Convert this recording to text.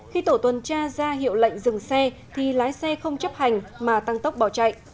khi tổ tuần tra ra hiệu lệnh dừng xe thì lái xe không chấp hành mà tăng tốc bỏ chạy